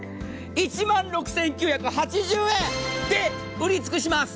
１万６９８０円で売り尽くします。